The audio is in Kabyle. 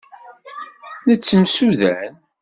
Nettemsudan.